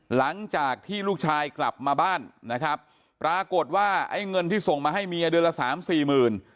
หลังจากที่ลูกชายกลับมาบ้านนะครับปรากฏว่าไอ้เงินที่ส่งมาให้เมียเดือนละสามสี่หมื่น